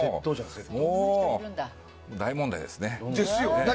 もう大問題ですね。